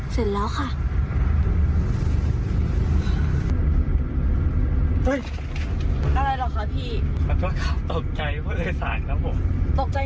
เสร็จแล้วค่ะ